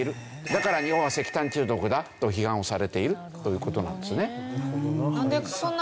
だから日本は石炭中毒だと批判をされているという事なんですね。